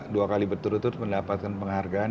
dua kali berturut turut mendapatkan penghargaan